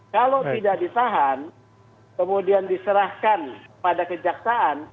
kalau tidak ditahan kemudian diserahkan pada kejaksaan